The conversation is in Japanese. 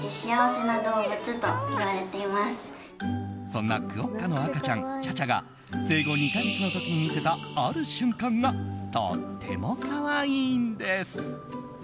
そんなクオッカの赤ちゃんチャチャが生後２か月の時に見せたある瞬間がとっても可愛いんです。